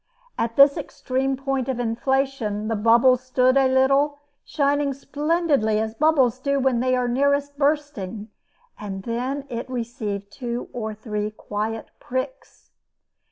At this extreme point of inflation, the bubble stood a little, shining splendidly as bubbles do when they are nearest bursting, and then it received two or three quiet pricks.